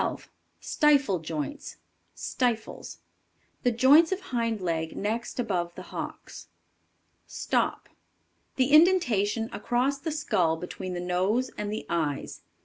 STIFLE JOINTS. Stifles. The joints of hind leg next above the hocks. Stop. The indentation across the skull between the nose and the eyes.